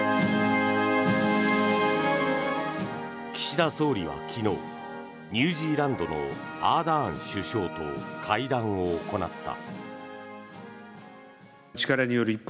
岸田総理は昨日ニュージーランドのアーダーン首相と会談を行った。